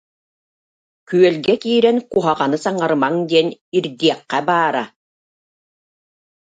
Күөлгэ киирэн куһаҕаны саҥарымаҥ диэн ирдиэххэ баара.